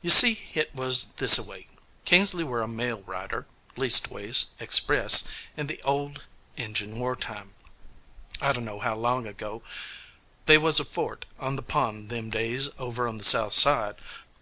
You see hit was this a way: Kingsley were a mail rider leastways, express in the old Injun wartime, I dunno how long ago. They was a fort on the pond them days, over on the south side.